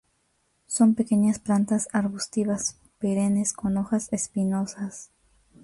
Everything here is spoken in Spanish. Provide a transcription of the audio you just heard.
Son pequeñas plantas arbustivas perennes con hojas espinosas.